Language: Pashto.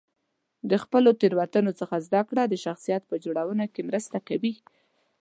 د خپلو تېروتنو څخه زده کړه د شخصیت په جوړونه کې مرسته کوي.